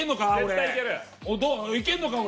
いけんのか俺？